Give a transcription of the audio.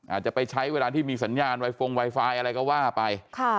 อาจจะไปใช้เวลาที่มีสัญญาณไวฟงไวไฟอะไรก็ว่าไป